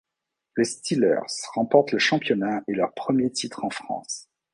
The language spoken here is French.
Les Steelers remportent le championnat et leur premier titre en France.